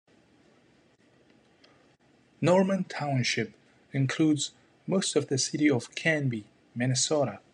Norman Township includes most of the city of Canby, Minnesota.